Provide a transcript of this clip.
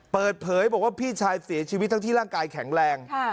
เปิดเผยบอกว่าพี่ชายเสียชีวิตทั้งที่ร่างกายแข็งแรง